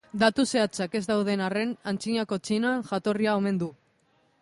Datu zehatzak ez dauden arren, antzinako Txinan jatorria omen du.